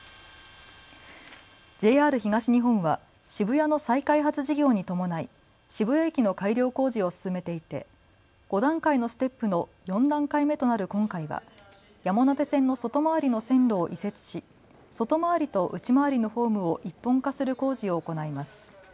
ＪＲ東日本は渋谷の再開発事業に伴い渋谷駅の改良工事を進めていて５段階のステップの４段階目となる今回は山手線の外回りの線路を移設し外回りと内回りのホームを一本化する工事を行います。